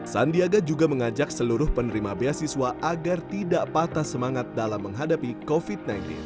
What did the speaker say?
sandiaga juga mengajak seluruh penerima beasiswa agar tidak patah semangat dalam menghadapi covid sembilan belas